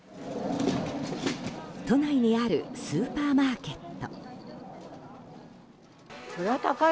都内にあるスーパーマーケット。